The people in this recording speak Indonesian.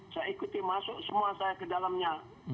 saya ikuti masuk semua saya ke dalamnya